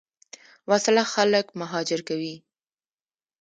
وسله خلک مهاجر کوي